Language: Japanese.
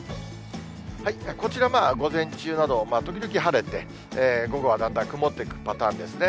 こちら、まあ午前中など、時々晴れて、午後はだんだん曇っていくパターンですね。